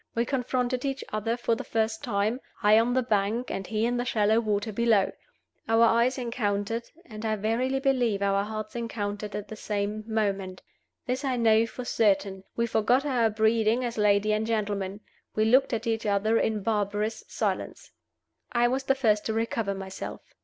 We confronted each other for the first time, I on the bank and he in the shallow water below. Our eyes encountered, and I verily believe our hearts encountered at the same moment. This I know for certain, we forgot our breeding as lady and gentleman: we looked at each other in barbarous silence. I was the first to recover myself.